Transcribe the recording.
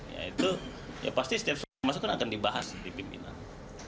ya itu ya pasti setiap masukan akan dibahas di pimpinan